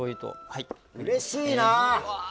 うれしいな！